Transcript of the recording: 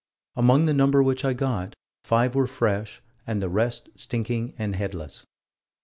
"Among the number which I got, five were fresh and the rest stinking and headless."